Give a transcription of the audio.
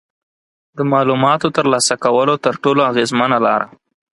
د معلوماتو ترلاسه کولو تر ټولو اغیزمنه لاره